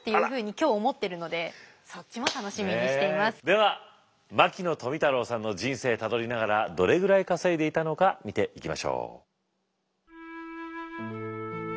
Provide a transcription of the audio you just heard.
では牧野富太郎さんの人生たどりながらどれぐらい稼いでいたのか見ていきましょう。